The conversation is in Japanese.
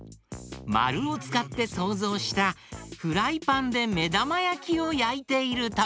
まるをつかってそうぞうしたフライパンでめだまやきをやいているところ。